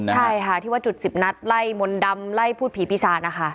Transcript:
ใช่ค่ะที่ว่าจุด๑๐นัดไล่มนต์ดำไล่พูดผีปีศาจนะคะ